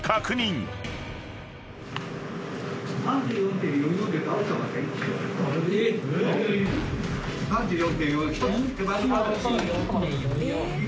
３４．４４。